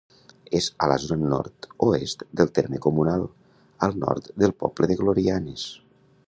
És a la zona nord-oest del terme comunal, al nord del poble de Glorianes.